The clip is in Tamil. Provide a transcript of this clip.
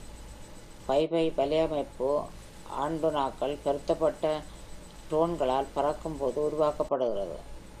வைஃபை வலையமைப்பு ஆண்டெனாக்கள் பொருத்தப்பட்ட ட்ரோன்களால் பறக்கும்போது உருவாக்கப்படுகிறது.